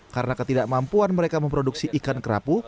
karena ketidakmampuan mereka memproduksi ikan kerapu